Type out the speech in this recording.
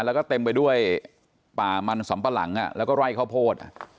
แล้วก็เต็มไปด้วยป่ามันสำปะหลังแล้วก็ไร่ข้าวโพด